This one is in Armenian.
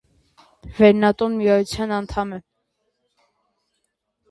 «Վերնատուն» միության անդամ է։